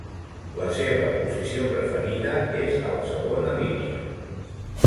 La seva posició preferida és a la segona línia.